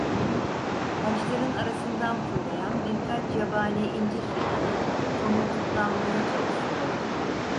Taşların arasından fırlayan birkaç yabani incir fidanı tomurcuklanmaya çalışıyordu.